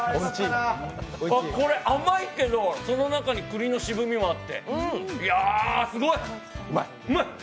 これ、甘いけど、その中にくりの渋みもあって、いや、すごい、うまいっ！